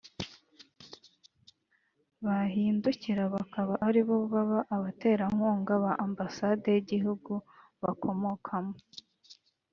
bahindukira bakaba ari bo baba abaterankunga ba ambasade y’igihugu bakomokamo